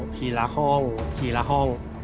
ทีละห้อง